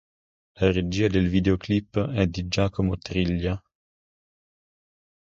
La regia del videoclip è di Giacomo Triglia.